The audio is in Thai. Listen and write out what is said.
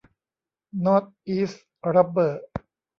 นอร์ทอีส รับเบอร์